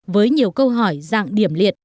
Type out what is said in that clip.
với nhiều câu hỏi dạng điểm liệt